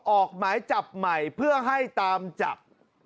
ออกหมายจับใหม่เพื่อให้ตามจับ